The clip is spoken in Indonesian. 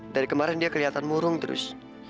dari kemarin dia kelihatan murung terus